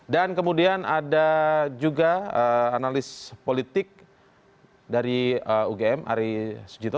dan kemudian ada juga analis politik dari ugm ari sujito